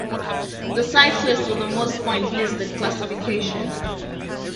The cyclist with the most points lead the classification.